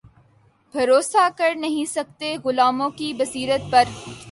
بھروسا کر نہیں سکتے غلاموں کی بصیرت پر